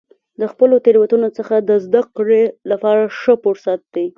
د خپلو تیروتنو څخه د زده کړې لپاره ښه فرصت دی.